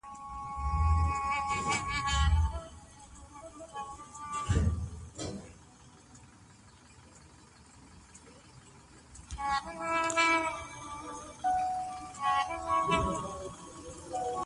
فرصتونه په ستونزو کي پټ وي.